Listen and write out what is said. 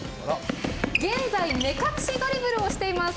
現在目隠しドリブルをしています